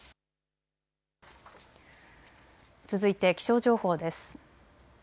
続いて気象情報です。